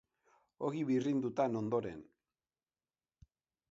Ogi birrindutan, ondoren.